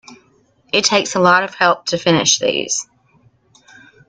It takes a lot of help to finish these.